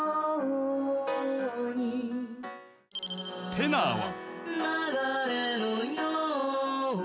［テナーは］